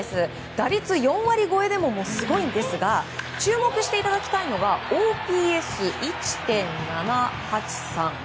打率４割超えでもすごいんですが注目していただきたいのはＯＰＳ１．７８３。